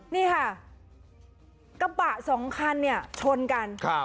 นี่ค่ะกระบะสองคันเนี่ยชนกัน